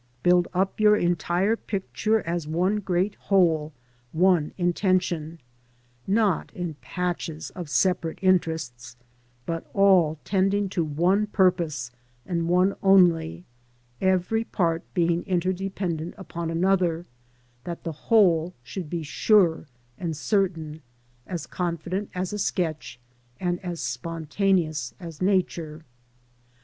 Build up your entire picture as one great whole, one intention; not in patches of separate interests, but all tending to one purpose and ATTITUDE TOWARDS NATURE. 5 one only, every part being interdependent upon another, that the whole should be sure and certain, as confident as a $ketch, and as spontaneous as Nature.